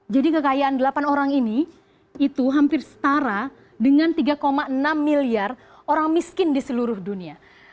jadi kekayaan delapan orang ini itu hampir setara dengan tiga enam miliar orang miskin di seluruh dunia